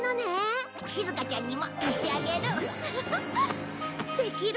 しずかちゃんにも貸してあげる。